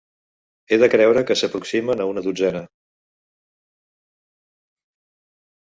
He de creure que s'aproximen a una dotzena.